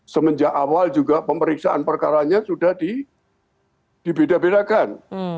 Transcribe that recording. semenjak awal juga pemeriksaan perkaranya sudah dibeda bedakan